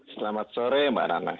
selamat sore mbak nana